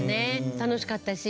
楽しかったし。